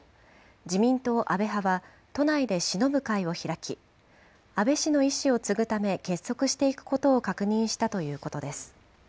自民党安倍派は、都内でしのぶ会を開き、安倍氏の遺志を継ぐため、結束していくことを確認したということです。